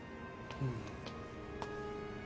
うん。